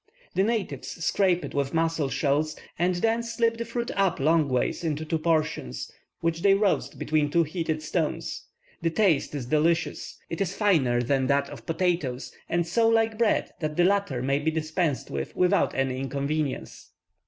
The natives scrape it with mussel shells, and then split the fruit up long ways into two portions, which they roast between two heated stones. The taste is delicious; it is finer than that of potatoes, and so like bread that the latter may be dispensed with without any inconvenience.